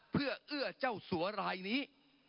เพื่อเจ้าสวรรค์นี้